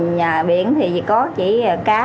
nhà biển thì có chỉ cá